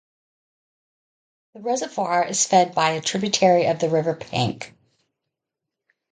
The reservoir is fed by a tributary of the River Penk.